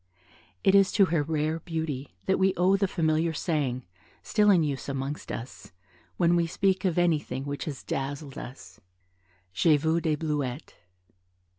It is to her rare beauty that we owe the familiar saying, still in use amongst us, when we speak of anything which has dazzled us, "J'ai vu des Bleuettes."